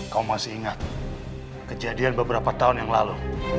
kamu masih ingat kejadian beberapa tahun yang lalu